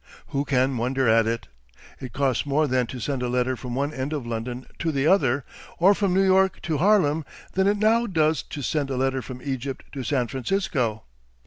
Who can wonder at it? It cost more then to send a letter from one end of London to the other, or from New York to Harlem, than it now does to send a letter from Egypt to San Francisco.